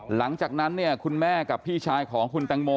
หลังจากนั้นเนี่ยคุณแม่กับพี่ชายของคุณแตงโม